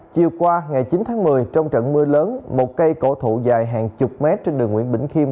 chiều qua ngày chín tháng một mươi trong trận mưa lớn một cây cổ thụ dài hàng chục mét trên đường nguyễn bình khiêm